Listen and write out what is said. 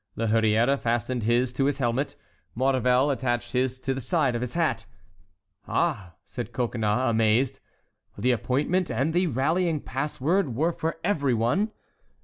La Hurière fastened his to his helmet. Maurevel attached his to the side of his hat. "Ah," said Coconnas, amazed, "the appointment and the rallying pass word were for every one?"